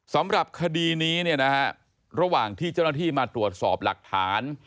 สำหรับคดีนี้เนี่ยนะฮะระหว่างที่เจ้าหน้าที่มาตรวจสอบหลักฐาน